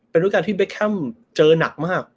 เป็นรูปการณ์ที่เบคแคมเจอหนักมาก